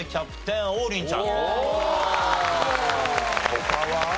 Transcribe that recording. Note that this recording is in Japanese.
他は？